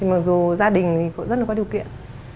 mặc dù gia đình rất là có điều kiện